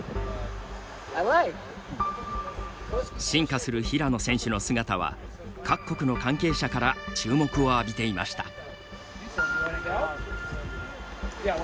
進化する平野選手の姿は各国の関係者から注目を浴びていました。